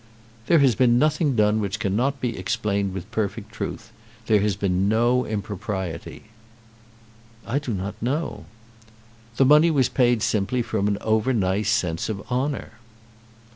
"There has been nothing done which cannot be explained with perfect truth. There has been no impropriety." "I do not know." "The money was paid simply from an over nice sense of honour."